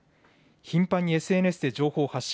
頻繁にＳＮＳで情報を発信。